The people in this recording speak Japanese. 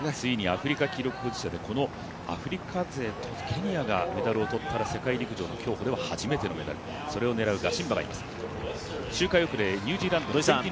アフリカの記録保持者でケニアがメダルを取ったら世界陸上の競歩では初めてのメダル、それを狙うガシンバがいます。